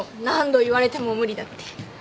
何度言われても無理だって。